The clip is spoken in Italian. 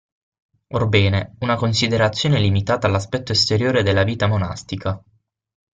Orbene, una considerazione limitata all'aspetto esteriore della vita monastica.